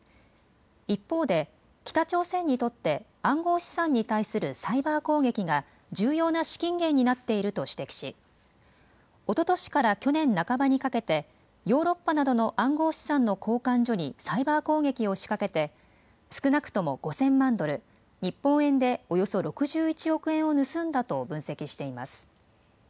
一方で北朝鮮にとって暗号資産に対するサイバー攻撃が重要な資金源になっていると指摘しおととしから去年半ばにかけてヨーロッパなどの暗号資産の交換所にサイバー攻撃を仕掛けて少なくとも５０００万ドル、日本円でおよそ６１億円を盗んだと分析しています。